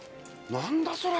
何だそれ。